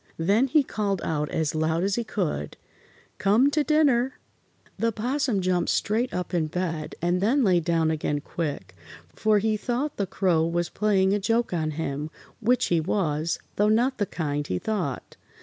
Then he called out as loud as he could: "Come to dinner!" [Illustration: THE 'POSSUM JUMPED STRAIGHT UP IN BED.] The 'Possum jumped straight up in bed and then lay down again quick, for he thought the Crow was playing a joke on him, which he was, though not the kind he thought.